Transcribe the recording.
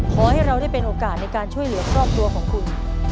ขอให้เราได้เป็นโอกาสในการช่วยเหลือครอบครัวของคุณ